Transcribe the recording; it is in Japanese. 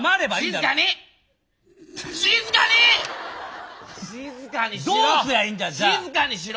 静かにしろ。